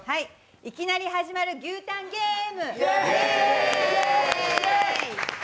いきなり始まる牛タンゲーム！